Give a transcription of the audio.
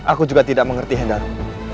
aku juga tidak mengerti hendar